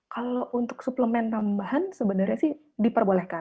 kalau untuk suplemen tambahan sebenarnya sih diperbolehkan